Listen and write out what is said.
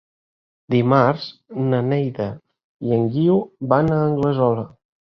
Dimarts na Neida i en Guiu van a Anglesola.